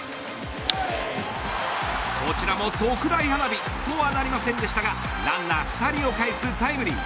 こちらも特大花火とはなりませんでしたがランナー２人を返すタイムリー。